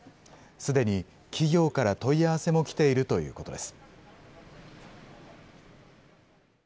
すでに企業から問い合わせも来ているということです。